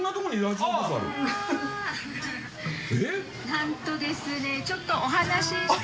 なんとですねちょっとお話。